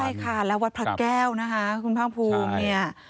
ใช่ค่ะแล้ววัดพระแก้วนะคะคุณพ่างภูมิ